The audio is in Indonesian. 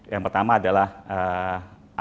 yang pertama adalah astra